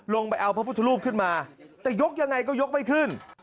ไปเอาพระพุทธรูปขึ้นมาแต่ยกยังไงก็ยกไม่ขึ้น